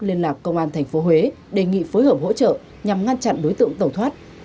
liên lạc công an tp huế đề nghị phối hợp hỗ trợ nhằm ngăn chặn đối tượng tẩu thoát